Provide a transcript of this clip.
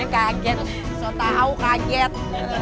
kaget sotahu kaget